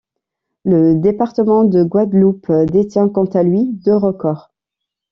Le département de Guadeloupe détient quant à lui deux records.